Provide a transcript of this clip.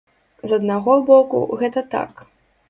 З аднаго боку, гэта так.